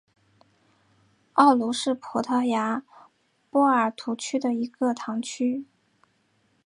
奥卢是葡萄牙波尔图区的一个堂区。